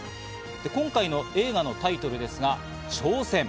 今回の映画のタイトルですが「挑戦」。